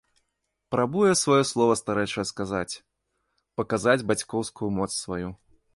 Прабуе сваё слова старэчае сказаць, паказаць бацькоўскую моц сваю.